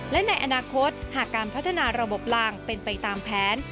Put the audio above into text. และในอนาคตหากการพัฒนาระบบลางเป็นไปตามแผน